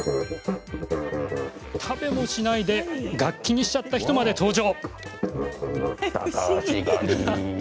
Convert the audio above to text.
食べもしないで楽器にしちゃった人まで登場。